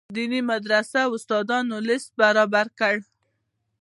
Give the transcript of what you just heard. دیني مدرسو استادانو لست برابر کړي.